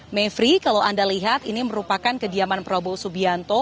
mevri kalau anda lihat ini merupakan kediaman prabowo subianto